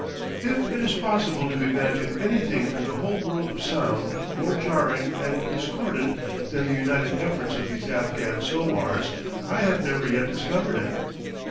If it is possible to imagine anything in the whole world of sound more jarring and discordant than the united efforts of these Afghan sowars, I have never yet discovered it.